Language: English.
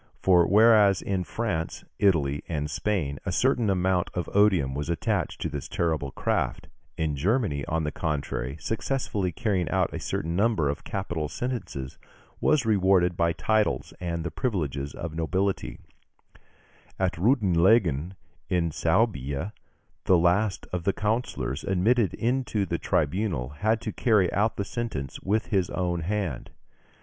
For whereas in France, Italy, and Spain, a certain amount of odium was attached to this terrible craft, in Germany, on the contrary, successfully carrying out a certain number of capital sentences was rewarded by titles and the privileges of nobility (Fig. 343). At Reutlingen, in Suabia, the last of the councillors admitted into the tribunal had to carry out the sentence with his own hand.